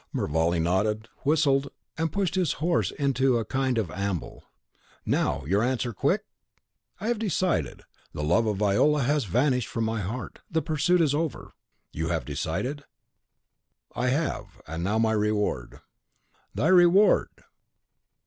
Mervale nodded, whistled, and pushed his horse into a kind of amble. "Now your answer, quick?" "I have decided. The love of Viola has vanished from my heart. The pursuit is over." "You have decided?" "I have; and now my reward." "Thy reward!